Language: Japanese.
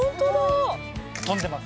飛んでます。